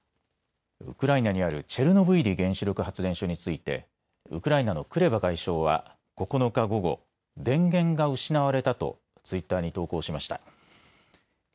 ウクライナにあるチェルノブイリ原子力発電所についてウクライナのクレバ外相は９日、午後電源が失われたとツイッターに投稿しました。